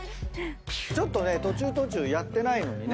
ちょっとね途中途中やってないのにね。